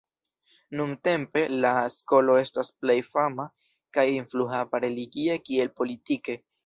Nuntempe, la skolo estas la plej fama kaj influhava religie kiel politike.